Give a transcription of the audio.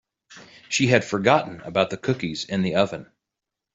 She had forgotten about the cookies in the oven.